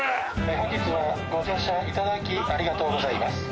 本日はご乗車いただきありがとうございます。